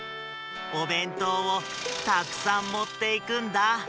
おべんとうをたくさんもっていくんだ。